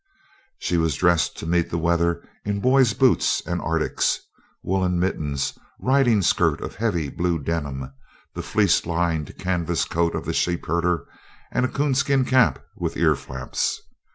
She was dressed to meet the weather in boys' boots and arctics, woolen mittens, riding skirt of heavy blue denim, the fleece lined canvas coat of the sheepherder, and a coonskin cap with ear laps.